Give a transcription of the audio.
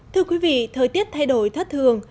thưa quý vị thời tiết thay đổi thất thường